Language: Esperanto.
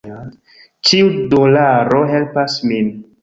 Ĉiu dolaro helpas min.